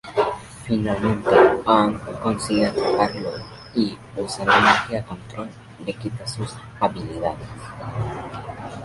Finalmente, Aang consigue atraparlo y, usando energía-control, le quita sus habilidades.